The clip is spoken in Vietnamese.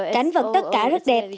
cảnh vật tất cả rất đẹp